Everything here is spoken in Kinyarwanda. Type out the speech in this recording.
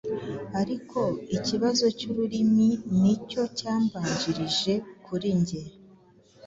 ariko ikibazo cy'ururimi ni cyo cyambanjirije kuri njye